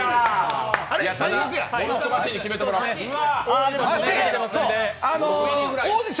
モルックマシーンに決めてもらおう。